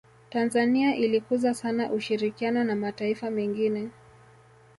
tanzania ilikuza sana ushirikiano na mataifa mengine